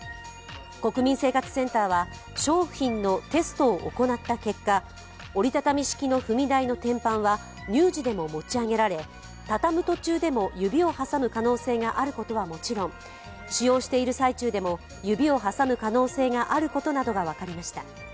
国民生活センターは、商品のテストを行った結果、折り畳み式の踏み台の天板は乳児ても持ち上げられ畳む途中でも指を挟む可能性があることはもちろん使用している最中でも指を挟む可能性があることなどが分かりました。